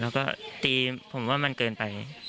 แล้วก็ตีผมว่ามันเกินไป